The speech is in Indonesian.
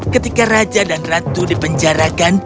ketika raja dan ratu dipenjarakan